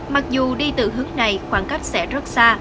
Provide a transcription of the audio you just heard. mặc dù đi từ hướng này khoảng cách sẽ rất xa